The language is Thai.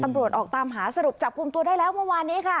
ออกตามหาสรุปจับกลุ่มตัวได้แล้วเมื่อวานนี้ค่ะ